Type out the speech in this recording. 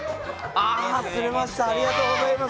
ありがとうございます。